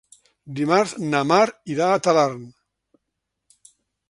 Dimecres na Mar irà a Talarn.